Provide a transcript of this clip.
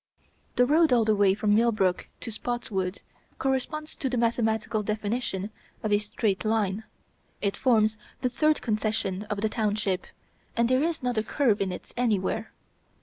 The road all the way from Millbrook to Spotswood, corresponds to the mathematical definition of a straight line. It forms the third concession of the township, and there is not a curve in it anywhere.